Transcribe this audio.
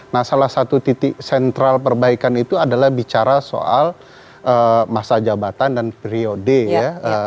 nah salah satu titik sentral perbaikan itu adalah bicara soal masa jabatan dan periode ya